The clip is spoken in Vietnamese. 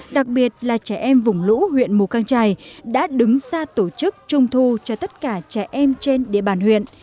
đặc biệt là trẻ em vùng lũ huyện mù căng trải đã đứng ra tổ chức trung thu cho tất cả trẻ em trên địa bàn huyện